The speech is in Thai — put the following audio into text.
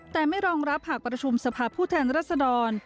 แต่ไม่รองรับหากประชุมสภาพผู้แทนรัศดร